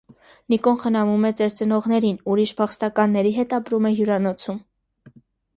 Նիկոն խնամում է ծեր ծնողներին, ուրիշ փախստականների հետ ապրում է հյուրանոցում։